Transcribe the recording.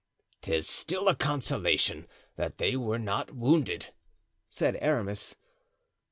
"'Tis still a consolation that they were not wounded," said Aramis.